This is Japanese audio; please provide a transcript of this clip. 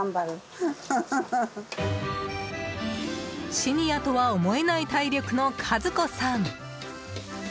シニアとは思えない体力の和子さん。